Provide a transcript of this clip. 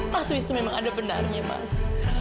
mas wisnu memang ada benarnya mas